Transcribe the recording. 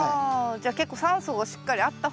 じゃあ結構酸素がしっかりあった方が。